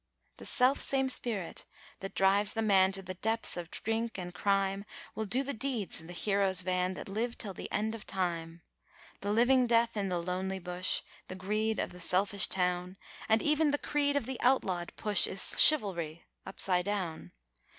The self same spirit that drives the man to the depths of drink and crime Will do the deeds in the heroes' van that live till the end of time. The living death in the lonely bush, the greed of the selfish town, And even the creed of the outlawed push is chivalry upside down.